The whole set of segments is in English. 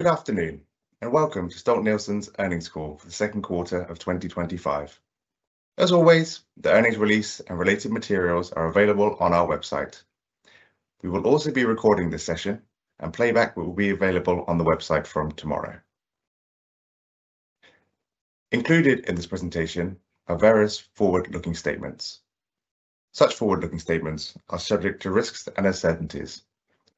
Good afternoon and welcome to Stolt-Nielsen's earnings call for the second quarter of 2025. As always, the earnings release and related materials are available on our website. We will also be recording this session, and playback will be available on the website from tomorrow. Included in this presentation are various forward-looking statements. Such forward-looking statements are subject to risks and uncertainties,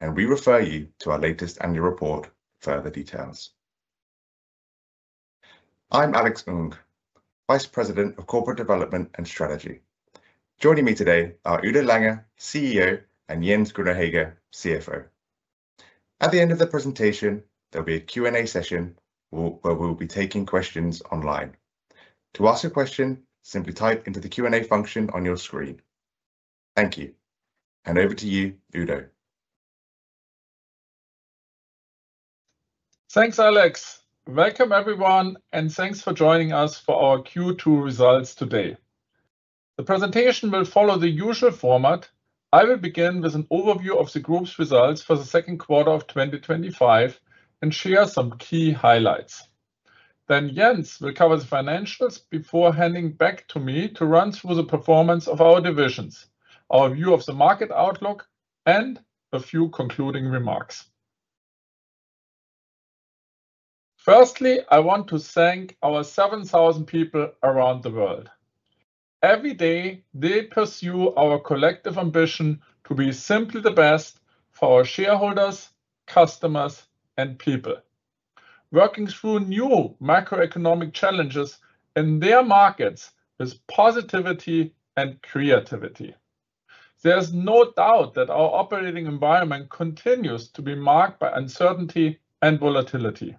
and we refer you to our latest annual report for further details. I'm Alex Ng, Vice President of Corporate Development and Strategy. Joining me today are Udo Lange, CEO, and Jens Grüner-Hegge, CFO. At the end of the presentation, there'll be a Q&A session where we'll be taking questions online. To ask a question, simply type into the Q&A function on your screen. Thank you, and over to you, Udo. Thanks, Alex. Welcome, everyone, and thanks for joining us for our Q2 results today. The presentation will follow the usual format. I will begin with an overview of the group's results for the second quarter of 2025 and share some key highlights. Then Jens will cover the financials before handing back to me to run through the performance of our divisions, our view of the market outlook, and a few concluding remarks. Firstly, I want to thank our 7,000 people around the world. Every day, they pursue our collective ambition to be simply the best for our shareholders, customers, and people, working through new macroeconomic challenges in their markets with positivity and creativity. There is no doubt that our operating environment continues to be marked by uncertainty and volatility.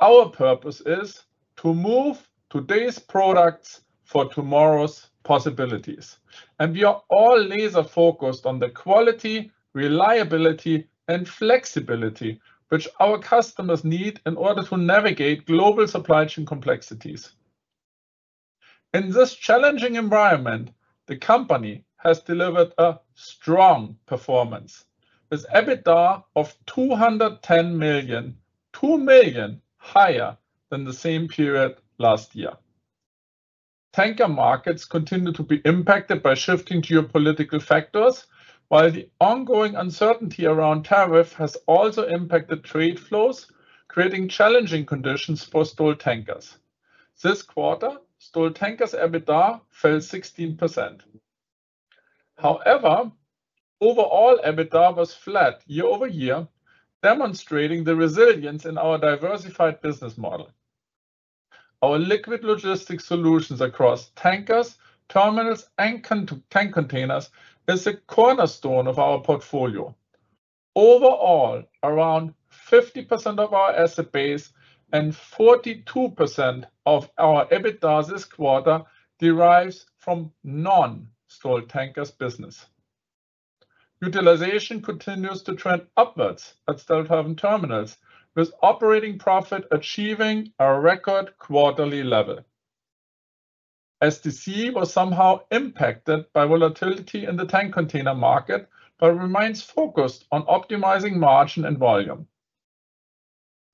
Our purpose is to move today's products for tomorrow's possibilities. We are all laser-focused on the quality, reliability, and flexibility which our customers need in order to navigate global supply chain complexities. In this challenging environment, the company has delivered a strong performance with EBITDA of $210 million, $2 million higher than the same period last year. Tanker markets continue to be impacted by shifting geopolitical factors, while the ongoing uncertainty around tariffs has also impacted trade flows, creating challenging conditions for Stolt Tankers. This quarter, Stolt Tankers' EBITDA fell 16%. However, overall, EBITDA was flat year-over-year, demonstrating the resilience in our diversified business model. Our liquid logistics solutions across tankers, terminals, and tank containers are the cornerstone of our portfolio. Overall, around 50% of our asset base and 42% of our EBITDA this quarter derives from non-Stolt Tankers business. Utilization continues to trend upwards at Stolthaven Terminals, with operating profit achieving a record quarterly level. SDC was somehow impacted by volatility in the tank container market but remains focused on optimizing margin and volume.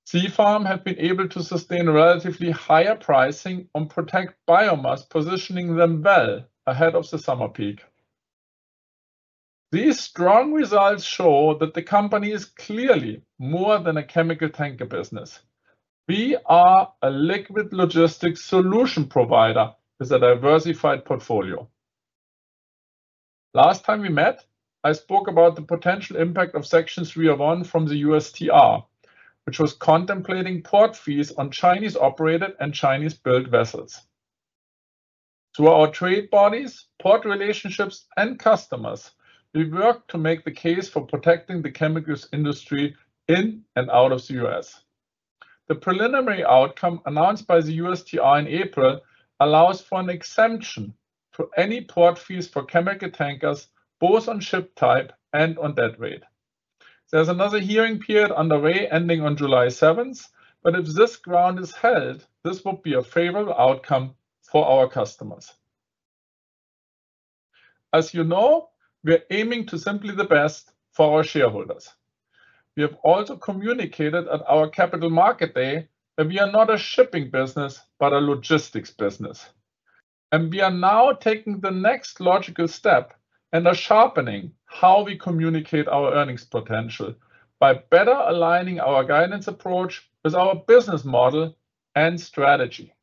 Seafarm has been able to sustain relatively higher pricing and protect biomass, positioning them well ahead of the summer peak. These strong results show that the company is clearly more than a chemical tanker business. We are a liquid logistics solution provider with a diversified portfolio. Last time we met, I spoke about the potential impact of Section 301 from the USTR, which was contemplating port fees on Chinese-operated and Chinese-built vessels. Through our trade bodies, port relationships, and customers, we work to make the case for protecting the chemicals industry in and out of the U.S. The preliminary outcome announced by the USTR in April allows for an exemption to any port fees for chemical tankers, both on ship type and on dead weight. There's another hearing period underway ending on July 7th, but if this ground is held, this would be a favorable outcome for our customers. As you know, we're aiming to simply the best for our shareholders. We have also communicated at our Capital Market Day that we are not a shipping business but a logistics business. We are now taking the next logical step and are sharpening how we communicate our earnings potential by better aligning our guidance approach with our business model and strategy.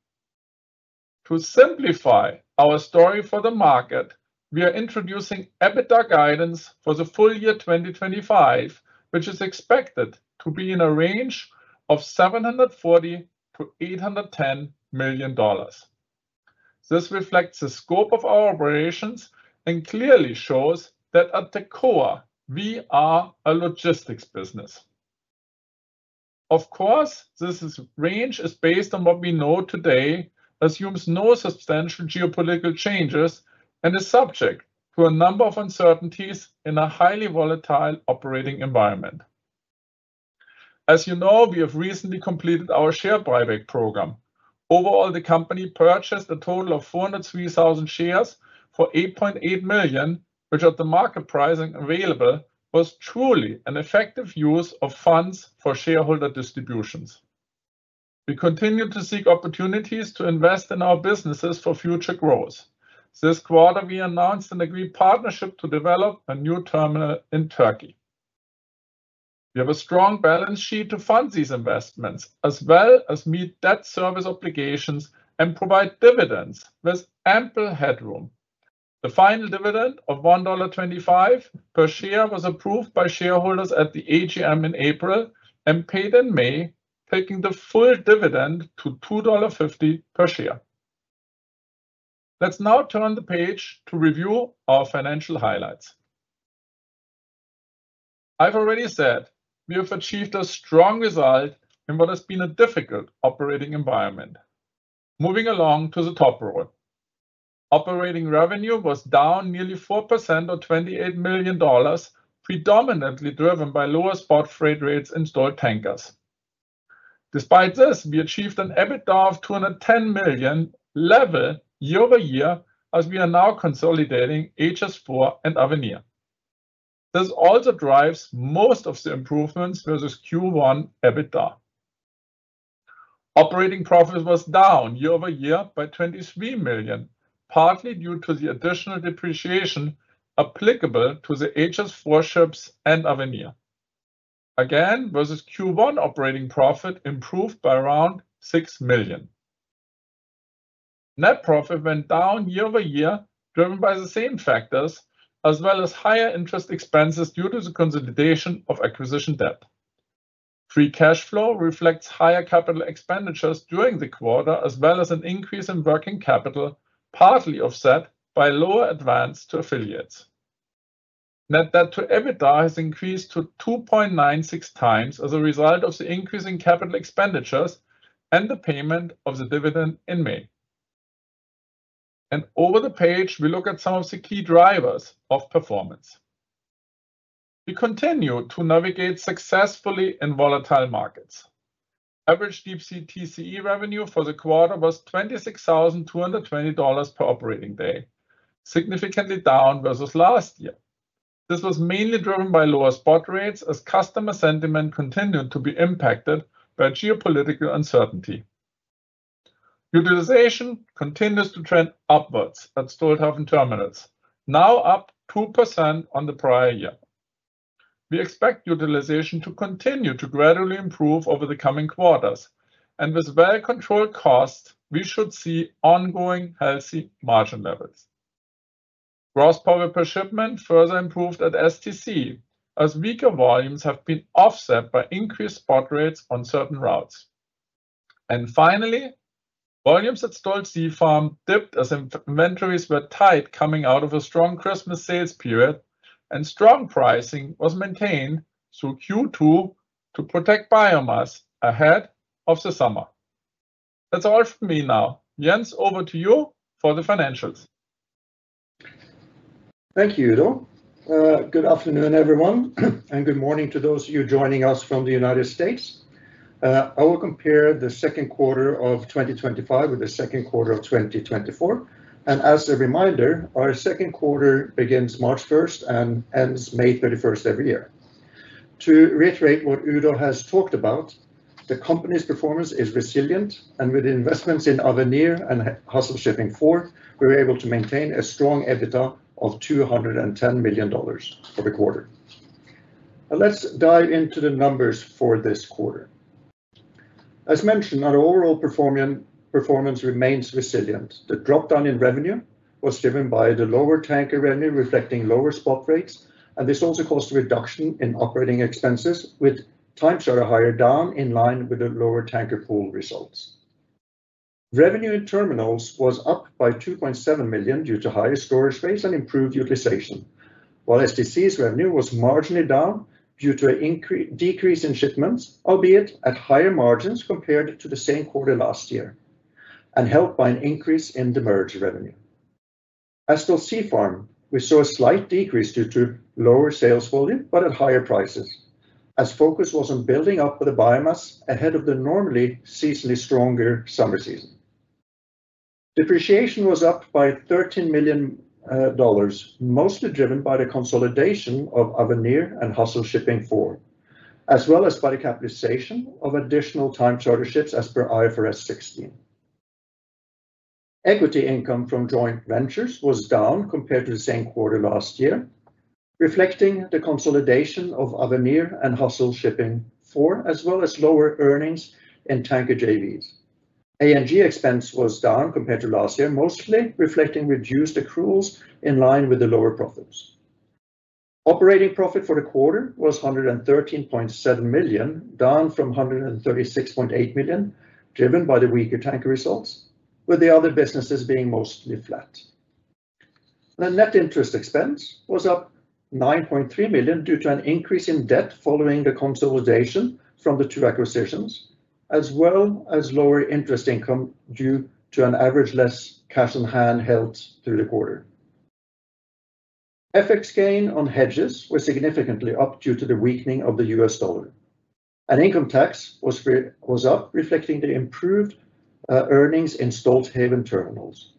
To simplify our story for the market, we are introducing EBITDA guidance for the full year 2025, which is expected to be in a range of $740 million-$810 million. This reflects the scope of our operations and clearly shows that at the core, we are a logistics business. Of course, this range is based on what we know today, assumes no substantial geopolitical changes, and is subject to a number of uncertainties in a highly volatile operating environment. As you know, we have recently completed our share buyback program. Overall, the company purchased a total of 403,000 shares for $8.8 million, which, at the market pricing available, was truly an effective use of funds for shareholder distributions. We continue to seek opportunities to invest in our businesses for future growth. This quarter, we announced and agreed partnership to develop a new terminal in Türkiye. We have a strong balance sheet to fund these investments, as well as meet debt service obligations and provide dividends with ample headroom. The final dividend of $1.25 per share was approved by shareholders at the AGM in April and paid in May, taking the full dividend to $2.50 per share. Let's now turn the page to review our financial highlights. I've already said we have achieved a strong result in what has been a difficult operating environment. Moving along to the top row, operating revenue was down nearly 4% or $28 million, predominantly driven by lower spot freight rates in Stolt Tankers. Despite this, we achieved an EBITDA of $210 million level year-over-year, as we are now consolidating Hassel Shipping 4 and Avenir. This also drives most of the improvements versus Q1 EBITDA. Operating profit was down year-over-year by $23 million, partly due to the additional depreciation applicable to the Hassel Shipping 4 ships and Avenir. Again, versus Q1, operating profit improved by around $6 million. Net profit went down year-over-year, driven by the same factors, as well as higher interest expenses due to the consolidation of acquisition debt. Free cash flow reflects higher capital expenditures during the quarter, as well as an increase in working capital, partly offset by lower advance to affiliates. Net debt to EBITDA has increased to 2.96x times as a result of the increase in capital expenditures and the payment of the dividend in May. Over the page, we look at some of the key drivers of performance. We continue to navigate successfully in volatile markets. Average deep-sea TCE revenue for the quarter was $26,220 per operating day, significantly down versus last year. This was mainly driven by lower spot rates, as customer sentiment continued to be impacted by geopolitical uncertainty. Utilization continues to trend upwards at Stolthaven Terminals, now up 2% on the prior year. We expect utilization to continue to gradually improve over the coming quarters. With well-controlled costs, we should see ongoing healthy margin levels. Gross power per shipment further improved at STC, as weaker volumes have been offset by increased spot rates on certain routes. Finally, volumes at Stolt Sea Farm dipped as inventories were tight coming out of a strong Christmas sales period, and strong pricing was maintained through Q2 to protect biomass ahead of the summer. That's all from me now. Jens, over to you for the financials. Thank you, Udo. Good afternoon, everyone, and good morning to those of you joining us from the United States. I will compare the second quarter of 2025 with the second quarter of 2024. As a reminder, our second quarter begins March 1 and ends May 31 every year. To reiterate what Udo has talked about, the company's performance is resilient, and with investments in Avenir and Hassel Shipping 4, we were able to maintain a strong EBITDA of $210 million for the quarter. Let's dive into the numbers for this quarter. As mentioned, our overall performance remains resilient. The dropdown in revenue was driven by the lower tanker revenue, reflecting lower spot rates, and this also caused a reduction in operating expenses, with timeshares higher down in line with the lower tanker pool results. Revenue in terminals was up by $2.7 million due to higher storage rates and improved utilization, while SDC's revenue was marginally down due to a decrease in shipments, albeit at higher margins compared to the same quarter last year, and helped by an increase in the merger revenue. At Stolt Sea Farm, we saw a slight decrease due to lower sales volume, but at higher prices, as focus was on building up the biomass ahead of the normally seasonally stronger summer season. Depreciation was up by $13 million, mostly driven by the consolidation of Avenir and Hassel Shipping 4, as well as by the capitalization of additional timeshare ships as per IFRS 16. Equity income from joint ventures was down compared to the same quarter last year, reflecting the consolidation of Avenir and Hassel Shipping 4, as well as lower earnings in tanker JVs. ANG expense was down compared to last year, mostly reflecting reduced accruals in line with the lower profits. Operating profit for the quarter was $113.7 million, down from $136.8 million, driven by the weaker tanker results, with the other businesses being mostly flat. The net interest expense was up $9.3 million due to an increase in debt following the consolidation from the two acquisitions, as well as lower interest income due to an average less cash on hand held through the quarter. FX gain on hedges was significantly up due to the weakening of the U.S. dollar. Income tax was up, reflecting the improved earnings in Stolthaven Terminals.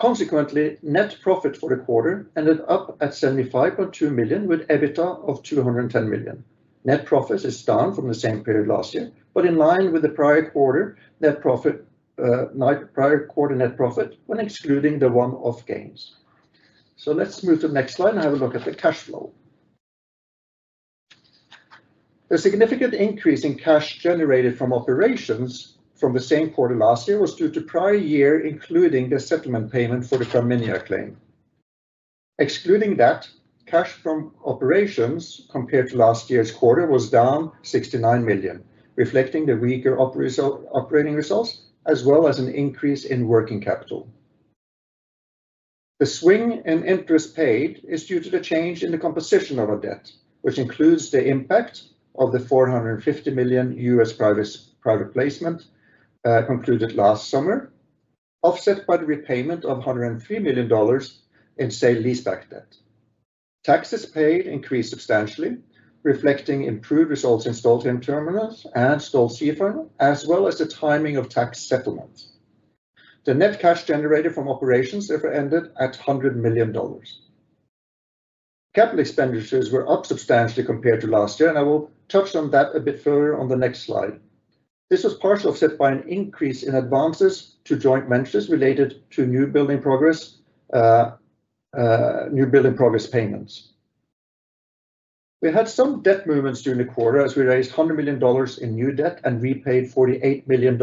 Consequently, net profit for the quarter ended up at $75.2 million, with EBITDA of $210 million. Net profit is down from the same period last year, but in line with the prior quarter net profit, prior quarter net profit when excluding the one-off gains. Let's move to the next slide and have a look at the cash flow. The significant increase in cash generated from operations from the same quarter last year was due to prior year, including the settlement payment for the Carminia claim. Excluding that, cash from operations compared to last year's quarter was down $69 million, reflecting the weaker operating results, as well as an increase in working capital. The swing in interest paid is due to the change in the composition of our debt, which includes the impact of the $450 million U.S. private placement concluded last summer, offset by the repayment of $103 million in sale leaseback debt. Taxes paid increased substantially, reflecting improved results in Stolthaven Terminals and Stolt Sea Farm, as well as the timing of tax settlements. The net cash generated from operations therefore ended at $100 million. Capital expenditures were up substantially compared to last year, and I will touch on that a bit further on the next slide. This was partially offset by an increase in advances to joint ventures related to newbuilding progress payments. We had some debt movements during the quarter as we raised $100 million in new debt and repaid $48 million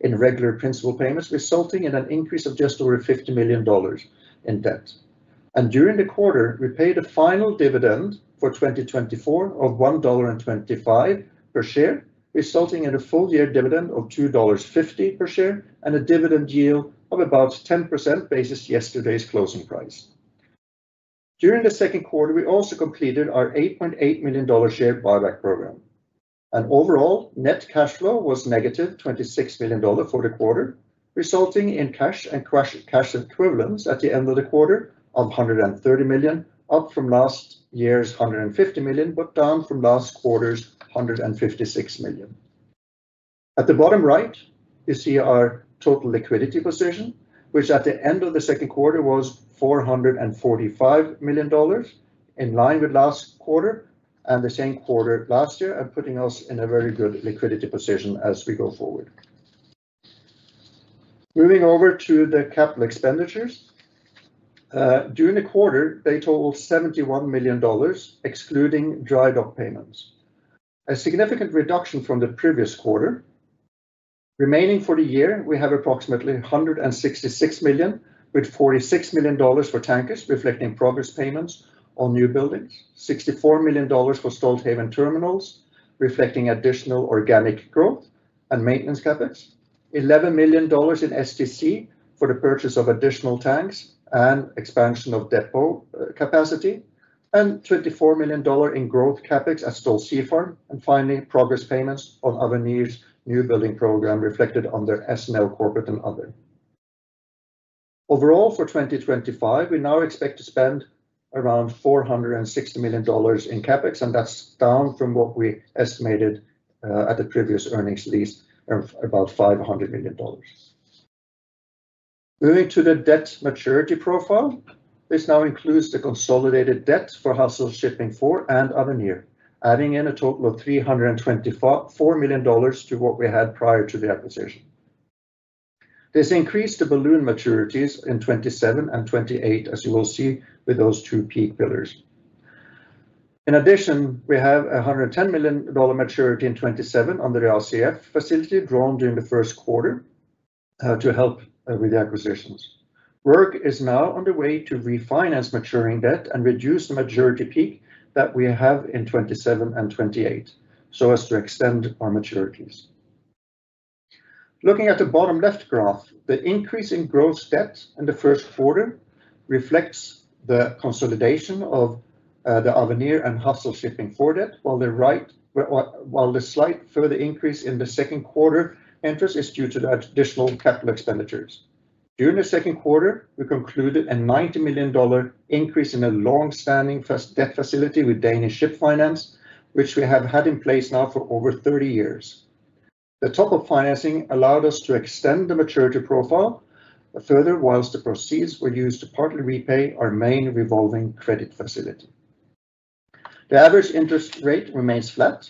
in regular principal payments, resulting in an increase of just over $50 million in debt. During the quarter, we paid a final dividend for 2024 of $1.25 per share, resulting in a full year dividend of $2.50 per share and a dividend yield of about 10% based on yesterday's closing price. During the second quarter, we also completed our $8.8 million share buyback program. Overall, net cash flow was negative $26 million for the quarter, resulting in cash and cash equivalents at the end of the quarter of $130 million, up from last year's $150 million, but down from last quarter's $156 million. At the bottom right, you see our total liquidity position, which at the end of the second quarter was $445 million, in line with last quarter and the same quarter last year, and putting us in a very good liquidity position as we go forward. Moving over to the capital expenditures. During the quarter, they totaled $71 million, excluding dry dock payments. A significant reduction from the previous quarter. Remaining for the year, we have approximately $166 million, with $46 million for tankers, reflecting progress payments on new buildings, $64 million for Stolthaven terminals, reflecting additional organic growth and maintenance capex, $11 million in SDC for the purchase of additional tanks and expansion of depot capacity, and $24 million in growth capex at Stolt Sea Farm, and finally, progress payments on Avenir's new building program, reflected under S&L corporate and other. Overall, for 2025, we now expect to spend around $460 million in capex, and that's down from what we estimated at the previous earnings release, about $500 million. Moving to the debt maturity profile. This now includes the consolidated debt for Hassel Shipping 4 and Avenir, adding in a total of $324 million to what we had prior to the acquisition. This increased the balloon maturities in 2027 and 2028, as you will see with those two peak pillars. In addition, we have a $110 million maturity in 2027 on the RCF facility drawn during the first quarter to help with the acquisitions. Work is now underway to refinance maturing debt and reduce the maturity peak that we have in 2027 and 2028, so as to extend our maturities. Looking at the bottom left graph, the increase in gross debt in the first quarter reflects the consolidation of the Avenir and Hassel Shipping 4 debt, while the slight further increase in the second quarter interest is due to the additional capital expenditures. During the second quarter, we concluded a $90 million increase in a long-standing debt facility with Danish Ship Finance, which we have had in place now for over 30 years. The top-up financing allowed us to extend the maturity profile further, whilst the proceeds were used to partly repay our main revolving credit facility. The average interest rate remains flat.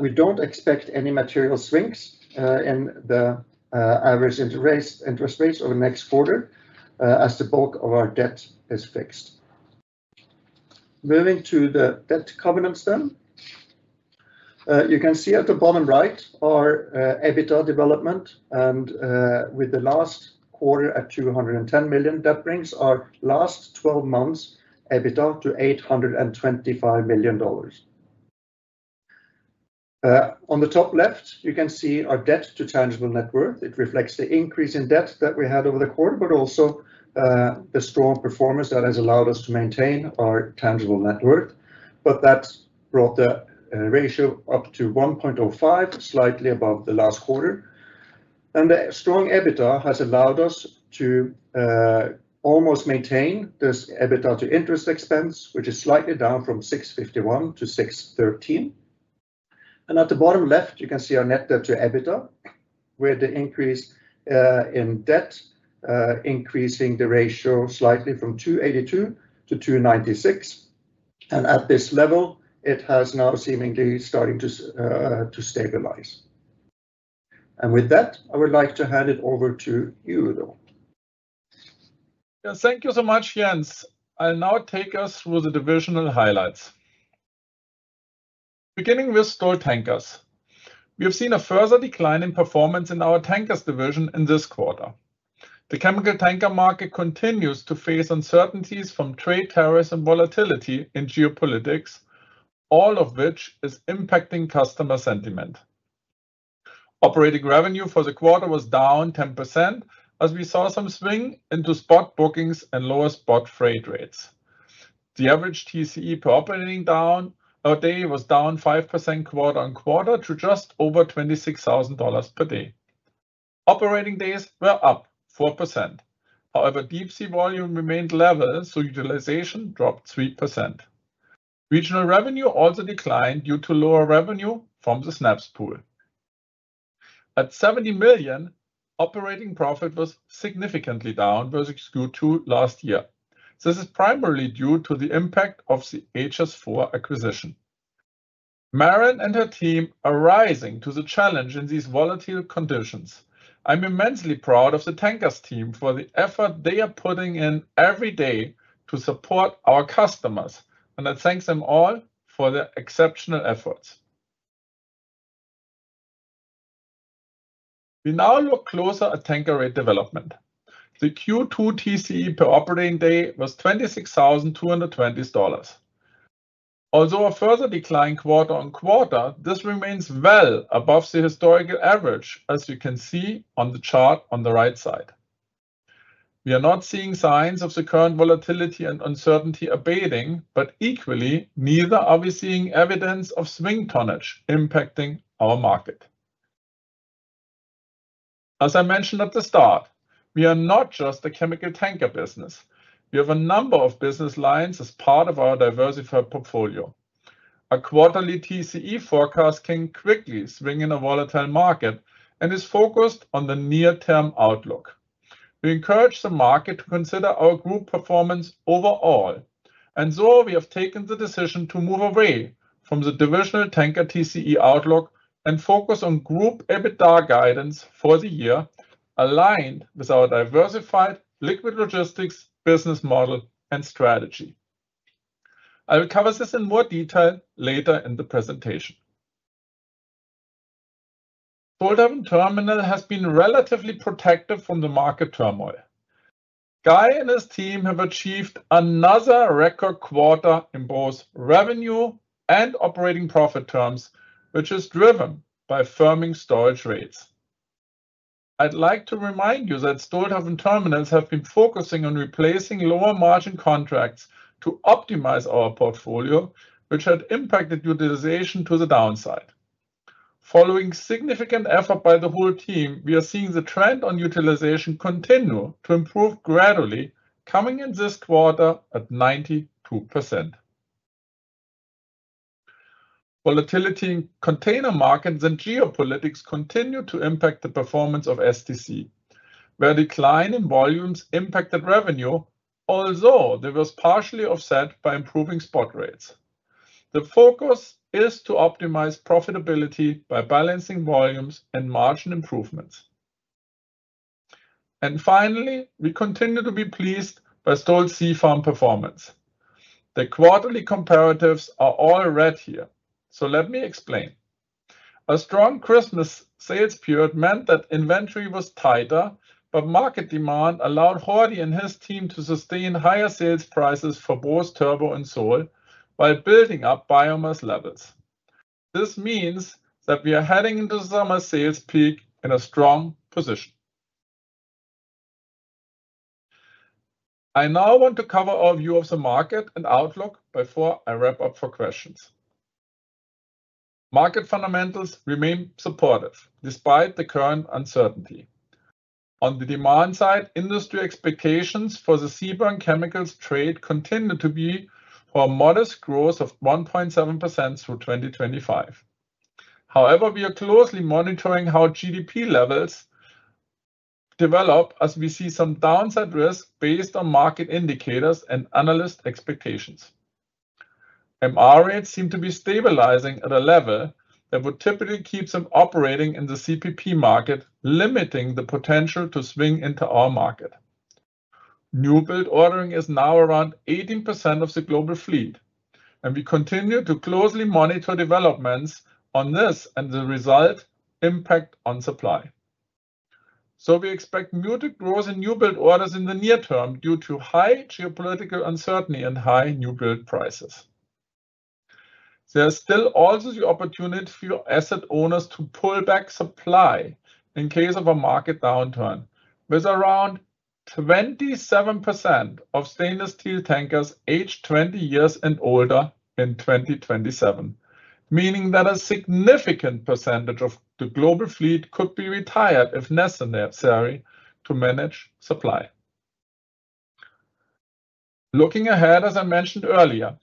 We do not expect any material swings in the average interest rates over the next quarter, as the bulk of our debt is fixed. Moving to the debt covenants then. You can see at the bottom right our EBITDA development, and with the last quarter at $210 million debt brings our last 12 months EBITDA to $825 million. On the top left, you can see our debt to tangible net worth. It reflects the increase in debt that we had over the quarter, but also the strong performance that has allowed us to maintain our tangible net worth. That brought the ratio up to 1.05, slightly above the last quarter. The strong EBITDA has allowed us to almost maintain this EBITDA to interest expense, which is slightly down from $651 to $613. At the bottom left, you can see our net debt to EBITDA, where the increase in debt is increasing the ratio slightly from $282 to $296. At this level, it has now seemingly started to stabilize. With that, I would like to hand it over to Udo. Thank you so much, Jens. I'll now take us through the divisional highlights. Beginning with Stolt Tankers. We have seen a further decline in performance in our tankers division in this quarter. The chemical tanker market continues to face uncertainties from trade tariffs and volatility in geopolitics, all of which is impacting customer sentiment. Operating revenue for the quarter was down 10%, as we saw some swing into spot bookings and lower spot freight rates. The average TCE per operating day was down 5% quarter-on-quarter to just over $26,000 per day. Operating days were up 4%. However, deep sea volume remained level, so utilization dropped 3%. Regional revenue also declined due to lower revenue from the SNAPS pool. At $70 million, operating profit was significantly down versus Q2 last year. This is primarily due to the impact of the Hassel Shipping 4 acquisition. Maren and her team are rising to the challenge in these volatile conditions. I'm immensely proud of the tankers team for the effort they are putting in every day to support our customers, and I thank them all for their exceptional efforts. We now look closer at tanker rate development. The Q2 TCE per operating day was $26,220. Although a further decline quarter on quarter, this remains well above the historical average, as you can see on the chart on the right side. We are not seeing signs of the current volatility and uncertainty abating, but equally, neither are we seeing evidence of swing tonnage impacting our market. As I mentioned at the start, we are not just a chemical tanker business. We have a number of business lines as part of our diversified portfolio. A quarterly TCE forecast can quickly swing in a volatile market and is focused on the near-term outlook. We encourage the market to consider our group performance overall, and so we have taken the decision to move away from the divisional tanker TCE outlook and focus on group EBITDA guidance for the year, aligned with our diversified liquid logistics business model and strategy. I will cover this in more detail later in the presentation. Stolthaven Terminals has been relatively protective from the market turmoil. Guy and his team have achieved another record quarter in both revenue and operating profit terms, which is driven by firming storage rates. I'd like to remind you that Stolthaven Terminals have been focusing on replacing lower margin contracts to optimize our portfolio, which had impacted utilization to the downside. Following significant effort by the whole team, we are seeing the trend on utilization continue to improve gradually, coming in this quarter at 92%. Volatility in container markets and geopolitics continued to impact the performance of SDC, where decline in volumes impacted revenue, although this was partially offset by improving spot rates. The focus is to optimize profitability by balancing volumes and margin improvements. Finally, we continue to be pleased by Stolt Sea Farm performance. The quarterly comparatives are all red here, so let me explain. A strong Christmas sales period meant that inventory was tighter, but market demand allowed Hardy and his team to sustain higher sales prices for both Turbo and Sol while building up biomass levels. This means that we are heading into the summer sales peak in a strong position. I now want to cover our view of the market and outlook before I wrap up for questions. Market fundamentals remain supportive despite the current uncertainty. On the demand side, industry expectations for the seaborne chemicals trade continue to be for a modest growth of 1.7% through 2025. However, we are closely monitoring how GDP levels develop as we see some downside risk based on market indicators and analyst expectations. MR rates seem to be stabilizing at a level that would typically keep them operating in the CPP market, limiting the potential to swing into our market. Newbuild ordering is now around 18% of the global fleet, and we continue to closely monitor developments on this and the resulting impact on supply. We expect muted growth in newbuild orders in the near term due to high geopolitical uncertainty and high newbuild prices. There is still also the opportunity for asset owners to pull back supply in case of a market downturn, with around 27% of stainless steel tankers aged 20 years and older in 2027, meaning that a significant percentage of the global fleet could be retired if necessary to manage supply. Looking ahead, as I mentioned earlier,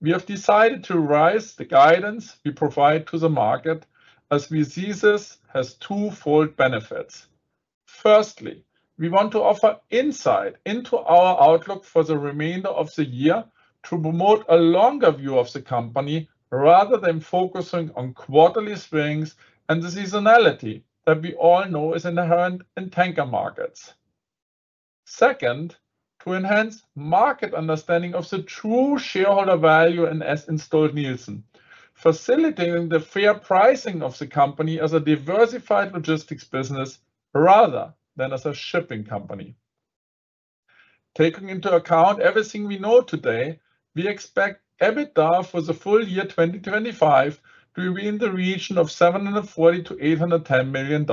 we have decided to raise the guidance we provide to the market as we see this has twofold benefits. Firstly, we want to offer insight into our outlook for the remainder of the year to promote a longer view of the company rather than focusing on quarterly swings and the seasonality that we all know is inherent in tanker markets. Second, to enhance market understanding of the true shareholder value in Stolt-Nielsen, facilitating the fair pricing of the company as a diversified logistics business rather than as a shipping company. Taking into account everything we know today, we expect EBITDA for the full year 2025 to be in the region of $740-$810 million.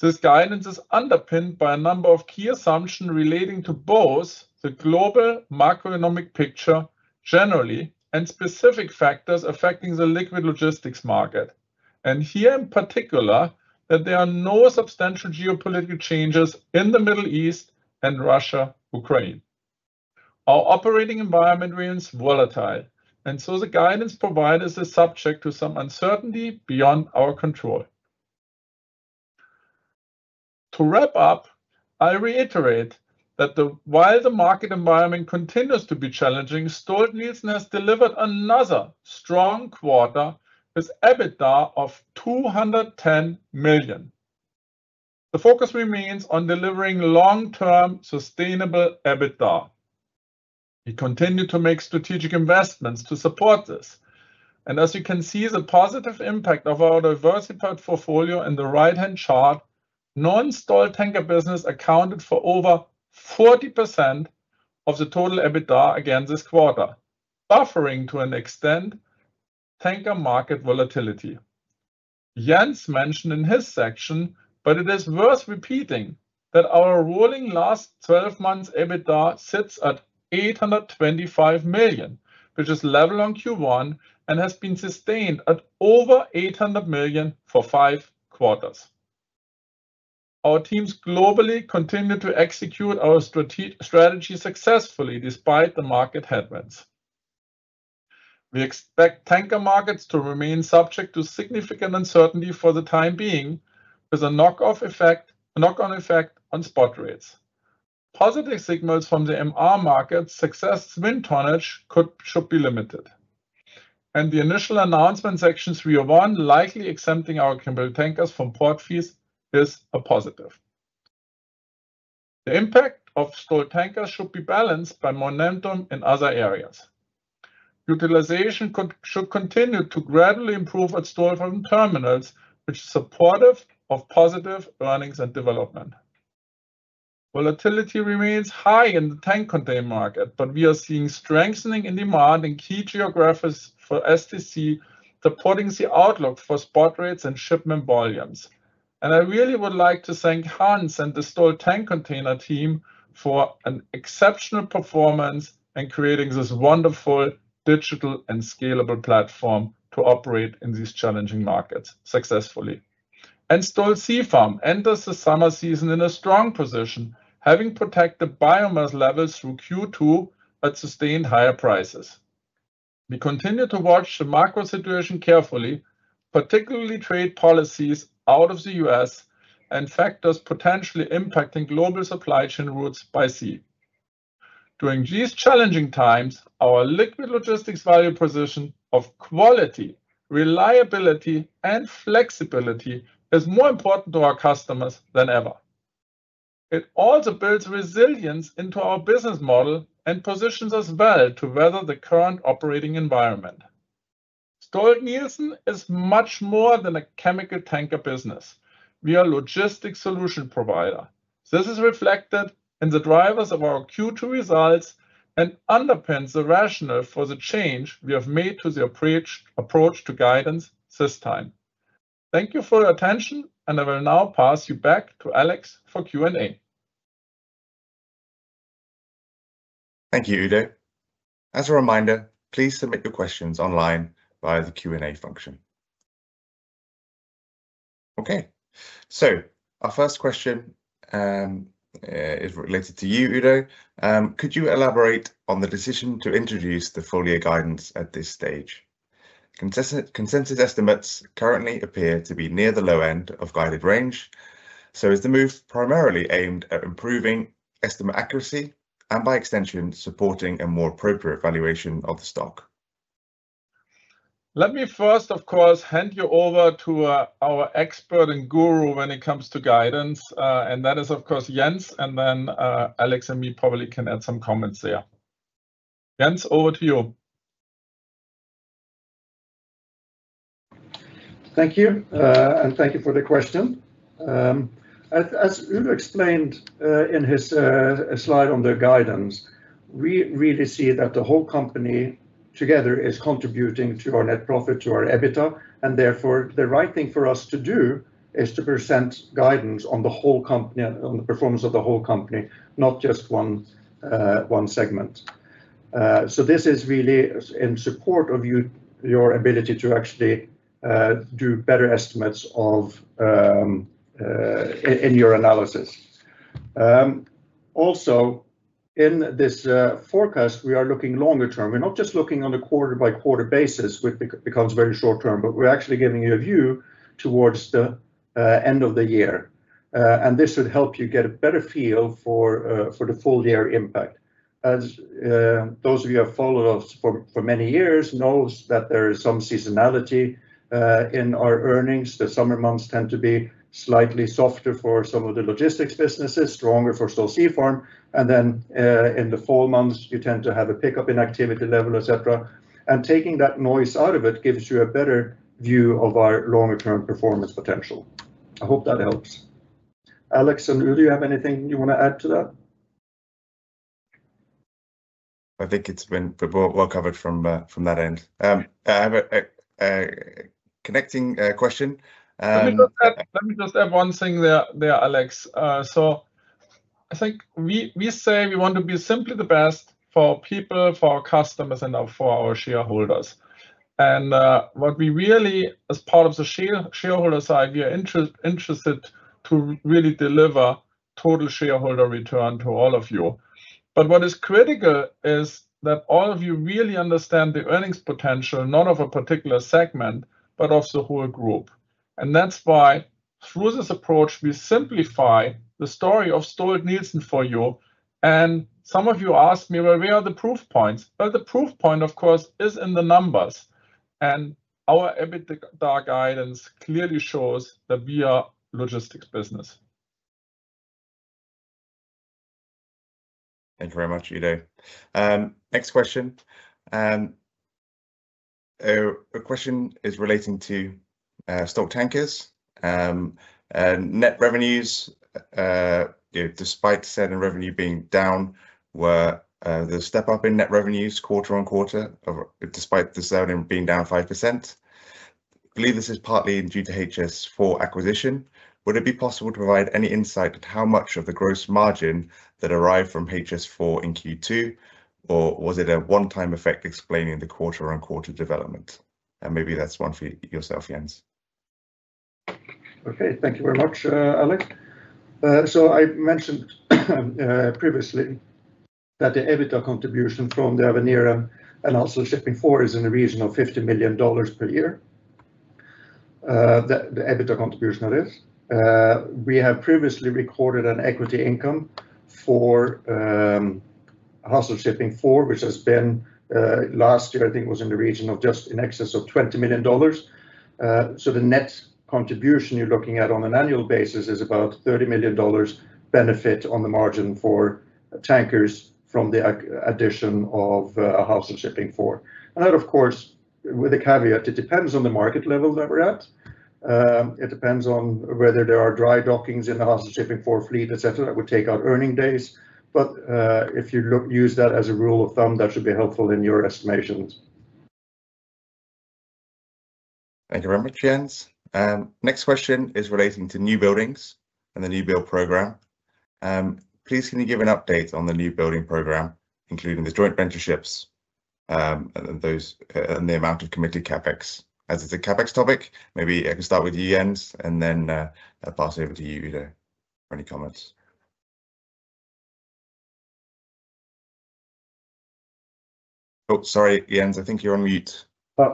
This guidance is underpinned by a number of key assumptions relating to both the global macroeconomic picture generally and specific factors affecting the liquid logistics market, and here in particular that there are no substantial geopolitical changes in the Middle East and Russia-Ukraine. Our operating environment remains volatile, and so the guidance provided is subject to some uncertainty beyond our control. To wrap up, I reiterate that while the market environment continues to be challenging, Stolt-Nielsen has delivered another strong quarter with EBITDA of $210 million. The focus remains on delivering long-term sustainable EBITDA. We continue to make strategic investments to support this. As you can see, the positive impact of our diversified portfolio in the right-hand chart, non-Stolt tanker business accounted for over 40% of the total EBITDA again this quarter, buffering to an extent tanker market volatility. Jens mentioned in his section, but it is worth repeating that our rolling last 12 months EBITDA sits at $825 million, which is level on Q1 and has been sustained at over $800 million for five quarters. Our teams globally continue to execute our strategy successfully despite the market headwinds. We expect tanker markets to remain subject to significant uncertainty for the time being, with a knock-on effect on spot rates. Positive signals from the MR market suggest swing tonnage should be limited. The initial announcement section 301 likely exempting our chemical tankers from port fees is a positive. The impact on Stolt Tankers should be balanced by momentum in other areas. Utilization should continue to gradually improve at Stolthaven Terminals, which is supportive of positive earnings and development. Volatility remains high in the tank container market, but we are seeing strengthening in demand in key geographies for Stolt Tank Containers supporting the outlook for spot rates and shipment volumes. I really would like to thank Hans and the Stolt Tank Containers team for an exceptional performance in creating this wonderful digital and scalable platform to operate in these challenging markets successfully. Stolt Sea Farm enters the summer season in a strong position, having protected biomass levels through Q2 at sustained higher prices. We continue to watch the macro situation carefully, particularly trade policies out of the United States and factors potentially impacting global supply chain routes by sea. During these challenging times, our liquid logistics value position of quality, reliability, and flexibility is more important to our customers than ever. It also builds resilience into our business model and positions us well to weather the current operating environment. Stolt-Nielsen is much more than a chemical tanker business. We are a logistics solution provider. This is reflected in the drivers of our Q2 results and underpins the rationale for the change we have made to the approach to guidance this time. Thank you for your attention, and I will now pass you back to Alex for Q&A. Thank you, Udo. As a reminder, please submit your questions online via the Q&A function. Okay, so our first question is related to you, Udo. Could you elaborate on the decision to introduce the FOLIA guidance at this stage? Consensus estimates currently appear to be near the low end of guided range, so is the move primarily aimed at improving estimate accuracy and by extension supporting a more appropriate valuation of the stock? Let me first, of course, hand you over to our expert and guru when it comes to guidance, and that is, of course, Jens, and then Alex and me probably can add some comments there. Jens, over to you. Thank you, and thank you for the question. As Udo explained in his slide on the guidance, we really see that the whole company together is contributing to our net profit, to our EBITDA, and therefore the right thing for us to do is to present guidance on the whole company and on the performance of the whole company, not just one segment. This is really in support of your ability to actually do better estimates in your analysis. Also, in this forecast, we are looking longer term. We're not just looking on a quarter-by-quarter basis, which becomes very short term, but we're actually giving you a view towards the end of the year, and this should help you get a better feel for the full year impact. As those of you who have followed us for many years know that there is some seasonality in our earnings. The summer months tend to be slightly softer for some of the logistics businesses, stronger for Stolt-Seafarm, and then in the fall months, you tend to have a pickup in activity level, etc. Taking that noise out of it gives you a better view of our longer-term performance potential. I hope that helps. Alex and Udo, do you have anything you want to add to that? I think it's been well covered from that end. I have a connecting question. Let me just add one thing there, Alex. I think we say we want to be simply the best for people, for our customers, and for our shareholders. What we really, as part of the shareholder side, we are interested to really deliver total shareholder return to all of you. What is critical is that all of you really understand the earnings potential, not of a particular segment, but of the whole group. That is why through this approach, we simplify the story of Stolt-Nielsen for you. Some of you asked me, where are the proof points? The proof point, of course, is in the numbers, and our EBITDA guidance clearly shows that we are a logistics business. Thank you very much, Udo. Next question. A question is relating to Stolt Tankers. Net revenues, despite the sale-in revenue being down, were the step-up in net revenues quarter-on-quarter despite the sale-in being down 5%. I believe this is partly due to HS4 acquisition. Would it be possible to provide any insight at how much of the gross margin that arrived from HS4 in Q2, or was it a one-time effect explaining the quarter-on-quarter development? And maybe that's one for yourself, Jens. Okay, thank you very much, Alex. I mentioned previously that the EBITDA contribution from Avenir and Hassel Shipping 4 is in the region of $50 million per year, the EBITDA contribution that is. We have previously recorded an equity income for Hassel Shipping 4, which has been last year, I think it was in the region of just in excess of $20 million. The net contribution you're looking at on an annual basis is about $30 million benefit on the margin for tankers from the addition of Hassel Shipping 4. That, of course, with a caveat, it depends on the market level that we're at. It depends on whether there are dry dockings in the Hassel Shipping 4 fleet, etc., that would take out earning days. If you use that as a rule of thumb, that should be helpful in your estimations. Thank you very much, Jens. Next question is relating to new buildings and the new build program. Please, can you give an update on the new building program, including the joint venture ships and the amount of committed CapEx? As it's a CapEx topic, maybe I can start with you, Jens, and then I'll pass over to you, Udo, for any comments. Oh, sorry, Jens, I think you're on mute.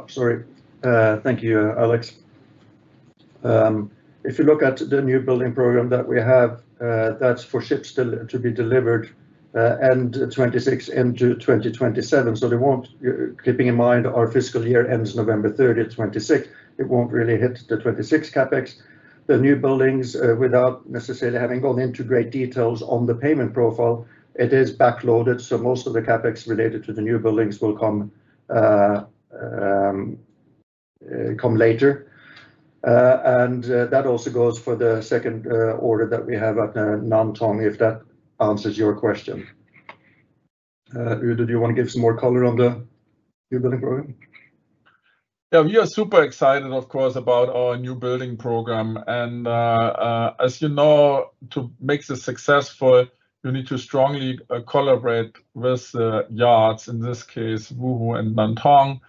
Sorry. Thank you, Alex. If you look at the newbuilding program that we have, that's for ships to be delivered end 2026 into 2027. Keeping in mind our fiscal year ends November 30, 2026, it will not really hit the 2026 CapEx. The newbuildings, without necessarily having gone into great details on the payment profile, it is backloaded, so most of the CapEx related to the newbuildings will come later. That also goes for the second order that we have at Nantong, if that answers your question. Udo, do you want to give some more color on the newbuilding program? Yeah, we are super excited, of course, about our newbuilding program. As you know, to make this successful, you need to strongly collaborate with the yards, in this case, Wuhu and Nantong.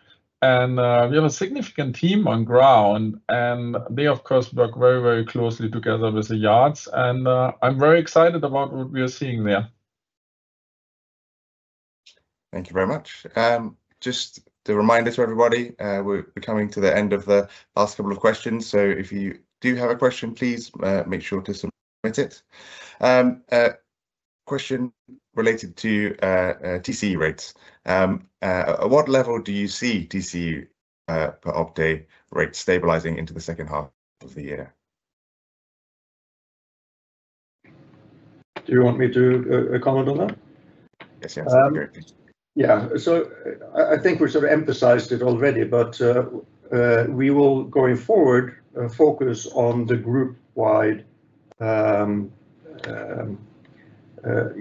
We have a significant team on ground, and they, of course, work very, very closely together with the yards. I am very excited about what we are seeing there. Thank you very much. Just a reminder to everybody, we're coming to the end of the last couple of questions, so if you do have a question, please make sure to submit it. Question related to TCE rates. At what level do you see TCE per OPDE rates stabilizing into the second half of the year? Do you want me to comment on that? Yes, Jens. Yeah, so I think we sort of emphasized it already, but we will, going forward, focus on the group-wide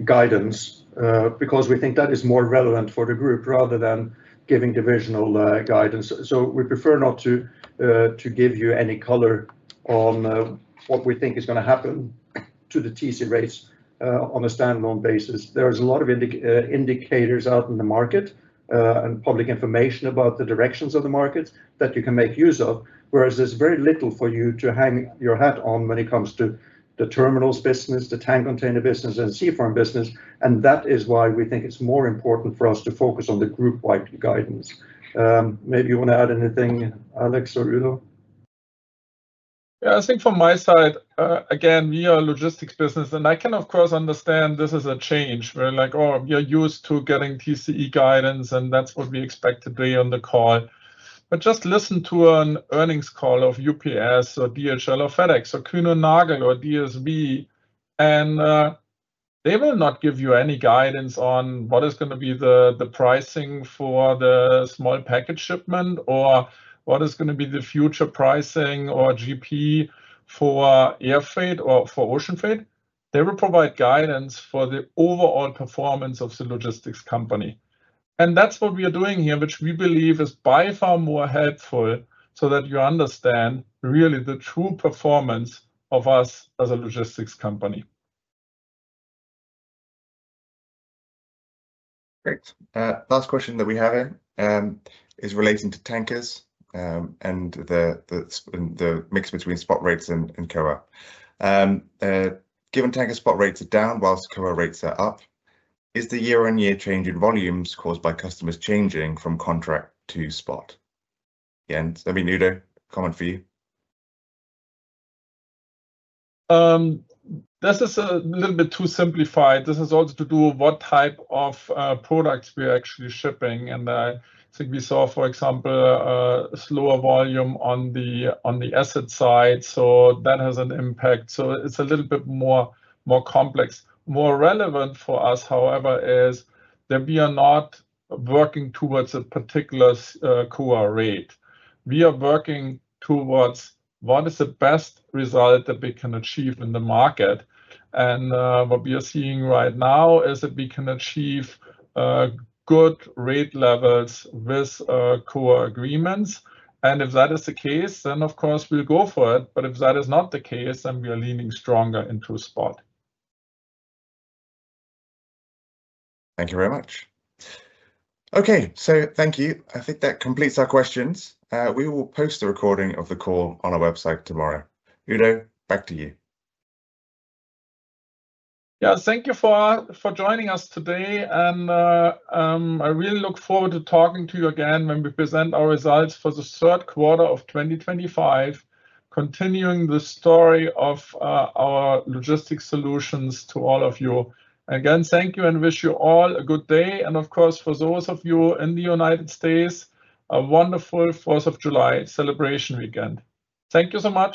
guidance because we think that is more relevant for the group rather than giving divisional guidance. We prefer not to give you any color on what we think is going to happen to the TCE rates on a standalone basis. There are a lot of indicators out in the market and public information about the directions of the markets that you can make use of, whereas there is very little for you to hang your hat on when it comes to the terminals business, the tank container business, and seafarm business. That is why we think it is more important for us to focus on the group-wide guidance. Maybe you want to add anything, Alex or Udo? Yeah, I think from my side, again, we are a logistics business, and I can, of course, understand this is a change. We're like, oh, we are used to getting TCE guidance, and that's what we expect today on the call. Just listen to an earnings call of UPS or DHL or FedEx or Kuehne + Nagel or DSV, and they will not give you any guidance on what is going to be the pricing for the small package shipment or what is going to be the future pricing or GP for air freight or for ocean freight. They will provide guidance for the overall performance of the logistics company. That is what we are doing here, which we believe is by far more helpful so that you understand really the true performance of us as a logistics company. Great. Last question that we have here is relating to tankers and the mix between spot rates and COA. Given tanker spot rates are down whilst COA rates are up, is the year-on-year change in volumes caused by customers changing from contract to spot? Jens, I mean, Udo, comment for you. This is a little bit too simplified. This is also to do with what type of products we are actually shipping. I think we saw, for example, a slower volume on the asset side, so that has an impact. It is a little bit more complex. More relevant for us, however, is that we are not working towards a particular COA rate. We are working towards what is the best result that we can achieve in the market. What we are seeing right now is that we can achieve good rate levels with COA agreements. If that is the case, then, of course, we will go for it. If that is not the case, then we are leaning stronger into spot. Thank you very much. Okay, so thank you. I think that completes our questions. We will post the recording of the call on our website tomorrow. Udo, back to you. Yeah, thank you for joining us today. I really look forward to talking to you again when we present our results for the third quarter of 2025, continuing the story of our logistics solutions to all of you. Again, thank you and wish you all a good day. Of course, for those of you in the United States, a wonderful 4th of July celebration weekend. Thank you so much.